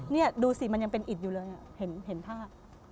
นี่ดูสิมันยังเป็นอิดอยู่เลยเห็นภาพ